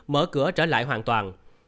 mở cửa trở lại hoàn toàn